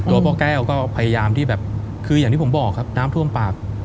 พ่อแก้วก็พยายามที่แบบคืออย่างที่ผมบอกครับน้ำท่วมปาก